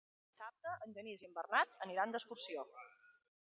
Dissabte en Genís i en Bernat aniran d'excursió.